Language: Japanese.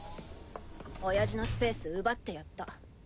おやじのスペース奪ってやった。